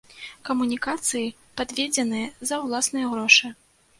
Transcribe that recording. Камунікацыі падведзеныя за ўласныя грошы.